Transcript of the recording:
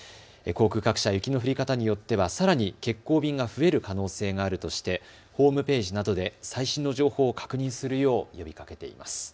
航空各社、雪の降り方によってはさらに欠航便が増える可能性があるとしてホームページなどで最新の情報を確認するよう呼びかけています。